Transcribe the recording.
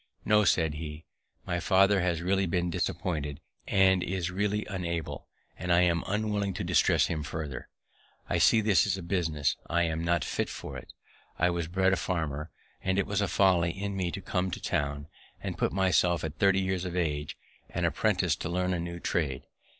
"No," said he, "my father has really been disappointed, and is really unable; and I am unwilling to distress him farther. I see this is a business I am not fit for. I was bred a farmer, and it was a folly in me to come to town, and put myself, at thirty years of age, an apprentice to learn a new trade.